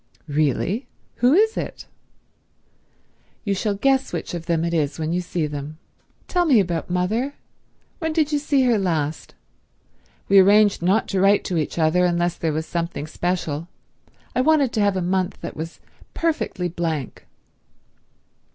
"Really? Who is it?" "You shall guess which of them it is when you see them. Tell me about mother. When did you see her last? We arranged not to write to each other unless there was something special. I wanted to have a month that was perfectly blank."